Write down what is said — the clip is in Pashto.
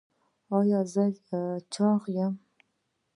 ایا زه چاغ یم؟